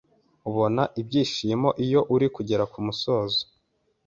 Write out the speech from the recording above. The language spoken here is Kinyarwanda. ubona ibyishimo iyo ari kugera kumusozo…